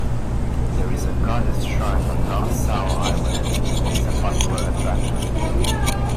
There is a goddess shrine on Nom Sao Island that is a popular attraction.